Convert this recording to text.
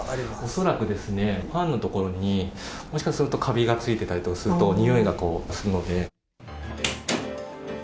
恐らくですね、ファンのところに、もしかするとかびが付いてたりとかすると、臭いがするので。